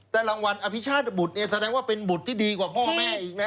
แต่รางวัลอภิชาติบุตรเนี่ยแสดงว่าเป็นบุตรที่ดีกว่าพ่อแม่อีกนะ